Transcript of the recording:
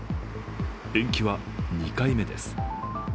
延期は２回目です。